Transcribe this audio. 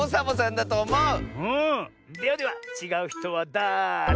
ではでは「ちがうひとはだれ？」